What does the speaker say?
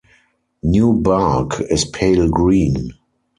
New bark is pale green.